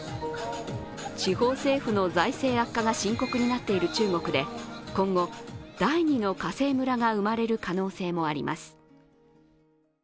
地方政府の財政悪化が深刻になっている中国で今後、第２の華西村が生まれる可能性もあります。